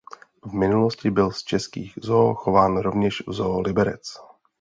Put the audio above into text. V minulosti byl z českých zoo chován rovněž v Zoo Liberec.